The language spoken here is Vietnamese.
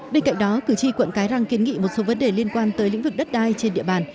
bên cạnh đó cử tri quận cái răng kiến nghị một số vấn đề liên quan tới lĩnh vực đất đai trên địa bàn